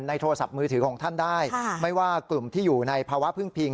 โทรศัพท์มือถือของท่านได้ไม่ว่ากลุ่มที่อยู่ในภาวะพึ่งพิง